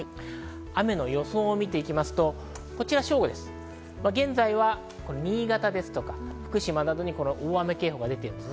雨の予想を見ますと、現在は新潟、福島などに大雨警報が出ています。